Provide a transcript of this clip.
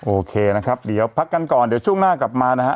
โอเคนะครับเดี๋ยวพักกันก่อนเดี๋ยวช่วงหน้ากลับมานะฮะ